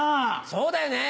そうだよね。